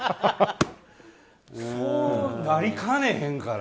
そうなりかねへんから。